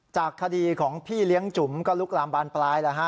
จากคดีของพี่เลี้ยงจุ๋มก็ลุกลามบานปลายแล้วฮะ